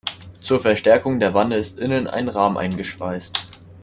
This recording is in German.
Zur Verstärkung der Wanne ist innen ein Rahmen eingeschweißt.